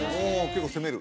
結構攻める？